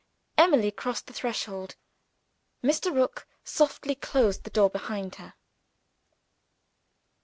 Emily crossed the threshold. Mr. Rook softly closed the door behind her.